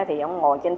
thì ông ngồi trên xe